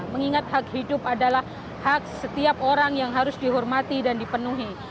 mengingat hak hidup adalah hak setiap orang yang harus dihormati dan dipenuhi